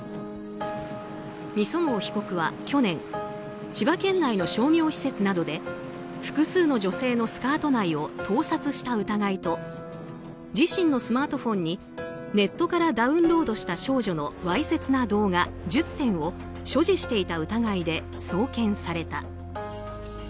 御園生被告は去年千葉県内の商業施設などで複数の女性のスカート内を盗撮した疑いと自身のスマートフォンにネットからダウンロードした少女のわいせつな動画１０点を所持していた疑いで送検された。